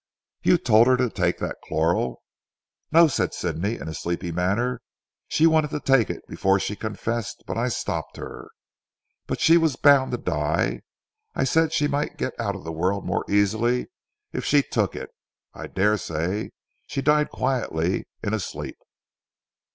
"You told her to take that chloral." "No," said Sidney in a sleepy manner, "she wanted to take it before she confessed, but I stopped her. But she was bound to die; I said she might get out of the world more easily if she took it. I daresay she died quietly in a sleep."